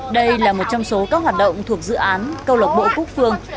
đây là một trong số các hoạt động thuộc dự án câu lọc bộ quốc phương